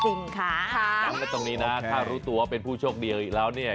จริงค่ะย้ำกันตรงนี้นะถ้ารู้ตัวเป็นผู้โชคดีอีกแล้วเนี่ย